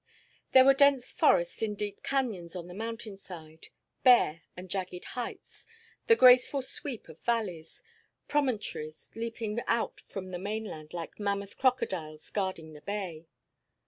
There were dense forests in deep canyons on the mountainside, bare and jagged heights, the graceful sweep of valleys, promontories leaping out from the mainland like mammoth crocodiles guarding the bay.